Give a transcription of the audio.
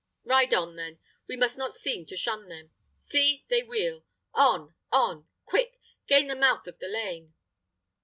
Ride on then; we must not seem to shun them. See! they wheel! On, on! quick! Gain the mouth of the lane!"